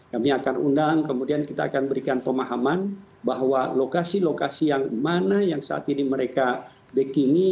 kami akan undang kemudian kita akan berikan pemahaman bahwa lokasi lokasi yang mana yang saat ini mereka bikini